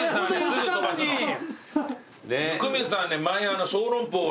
温水さんね。